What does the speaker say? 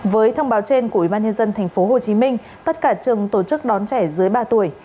với thông báo trên của ủy ban nhân dân tp hcm tất cả trường tổ chức đón trẻ dưới ba tuổi